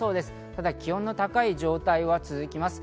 ただ気温の高い状態は続きます。